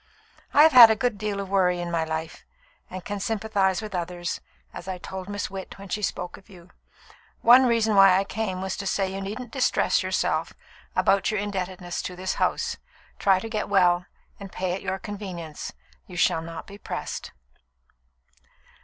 "I have had a good deal of worry in my life, and can sympathise with others, as I told Miss Witt when she spoke of you. One reason why I came was to say that you needn't distress yourself about your indebtedness to this house. Try to get well, and pay at your convenience. You shall not be pressed."